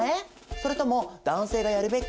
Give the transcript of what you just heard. それとも男性がやるべき？